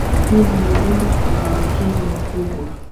Hivi naomba kwa unyenyekevu mkubwa